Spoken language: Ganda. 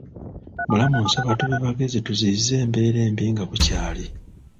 Mulamu nsaba tube bagezi tuziyize embeera embi nga bukyali.